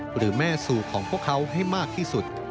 หรือแม่สู่ของพวกเขาให้มากที่สุด